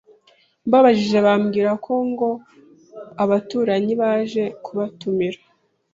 mbabajije bambwira ko ngo abaturanyi baje kubatumira,